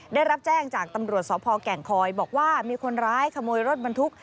ได้รับแจ้งจากตำรวจสพแก่งคอยบอกว่ามีคนร้ายขโมยรถบรรทุก